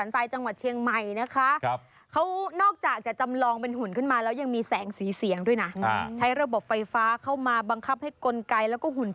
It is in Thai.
แล้วเมื่อดูดูแต่หลายอย่างครับคุณ